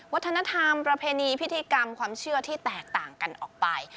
วัฒนธรรมประเพณีพิธีกรรมความเชื่อที่แตกต่างกันออกไป